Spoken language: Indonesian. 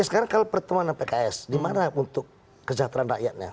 sekarang kalau pertemuan dengan pks di mana untuk kesejahteraan rakyatnya